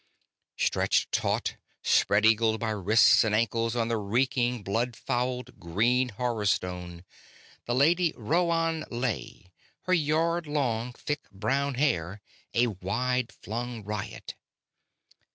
Stretched taut, spread eagled by wrists and ankles on the reeking, blood fouled, green horror stone, the Lady Rhoann lay, her yard long, thick brown hair a wide flung riot.